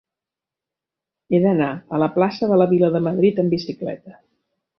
He d'anar a la plaça de la Vila de Madrid amb bicicleta.